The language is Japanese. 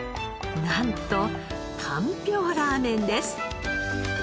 なんとかんぴょうラーメンです。